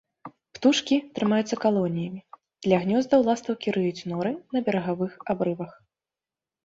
Птушкі трымаюцца калоніямі, для гнёздаў ластаўкі рыюць норы на берагавых абрывах.